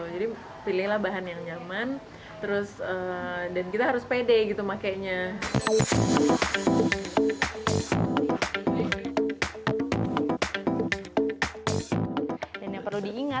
jadi pilihlah bahan yang nyaman dan kita harus pede makanya